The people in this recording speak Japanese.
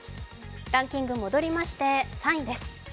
ランキング、戻りまして３位です。